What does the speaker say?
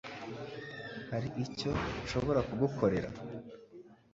Hari icyo nshobora kugukorera?